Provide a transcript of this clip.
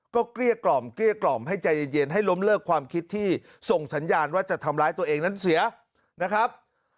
ก็เกลี้ยกล่อมเกลี้ยกล่อมให้ใจเย็นให้ล้มเลิกความคิดที่ส่งสัญญาณว่าจะทำร้ายตัวเองนั้นเสียนะครับ